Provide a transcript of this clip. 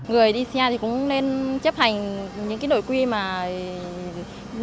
người đi xe thì cũng nên chấp hành những nội quy mà đeo khẩu trang về căng tay hoặc là như rước rửa tay để đảm bảo cho khách hàng